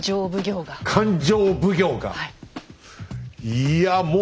いやもう